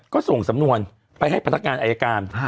ก็ส่งสำนวนไปให้พนักงานอายการ